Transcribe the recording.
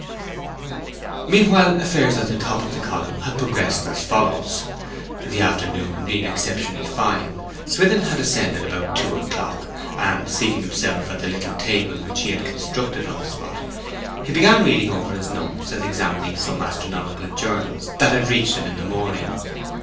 Meanwhile affairs at the top of the column had progressed as follows. The afternoon being exceptionally fine, Swithin had ascended about two o'clock, and, seating himself at the little table which he had constructed on the spot, he began reading over his notes and examining some astronomical journals that had reached him in the morning.